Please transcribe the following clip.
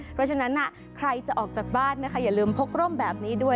เพราะฉะนั้นใครจะออกจากบ้านนะคะอย่าลืมพกร่มแบบนี้ด้วย